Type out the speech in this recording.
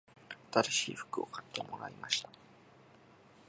新しい服を買ってもらいました